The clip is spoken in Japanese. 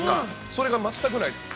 それが全くないです。